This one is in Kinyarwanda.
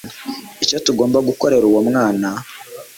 icyo tugomba gukorera uwo mwana